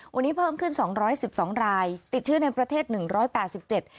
วันนี้เพิ่มขึ้นสองร้อยสิบสองรายติดเชื้อในประเทศหนึ่งร้อยแปดสิบเจ็ด